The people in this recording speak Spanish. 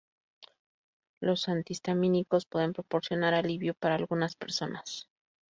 Los antihistamínicos pueden proporcionar alivio para algunas personas.